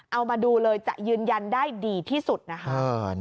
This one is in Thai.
เอามาดูเลยจะยืนยันได้ดีที่สุดนะคะ